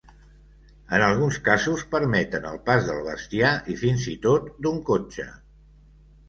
En alguns casos, permeten el pas del bestiar i fins i tot d'un cotxe.